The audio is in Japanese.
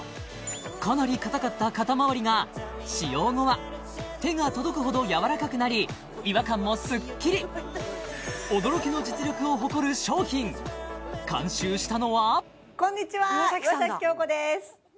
かなり硬かった肩まわりが使用後は手が届くほどやわらかくなり違和感もスッキリ驚きの実力を誇る商品監修したのはこんにちは岩崎恭子です